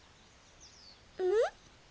うん？